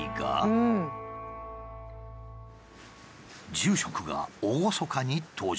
住職が厳かに登場。